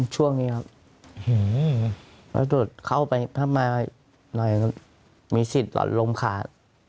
ช่วงนี้ครับแล้วโดนเข้าไปทำไมมีสิทธิ์หลอดลมขาด